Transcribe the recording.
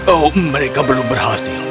oh mereka belum berhasil